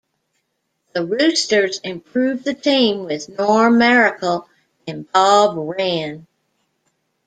The Roosters improved the team with Norm Maracle and Bob Wren.